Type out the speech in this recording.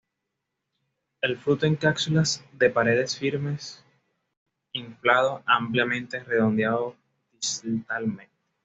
El fruto en cápsulas de paredes firmes, inflado, ampliamente redondeado distalmente.